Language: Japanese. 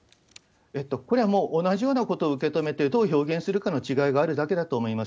これはもう同じようなことを受け止めて、どう表現するかの違いがあるだけだと思います。